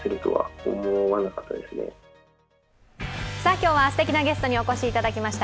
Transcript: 今日はすてきなゲストにお越しいただきました。